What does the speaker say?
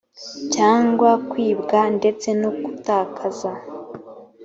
cyangwa kwibwa ndetse no gutakaza